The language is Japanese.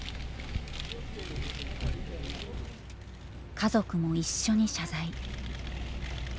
家族も一緒に謝罪。